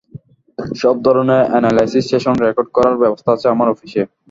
সব ধরনের analysis session record করার ব্যবস্থা আছে আমার অফিসে।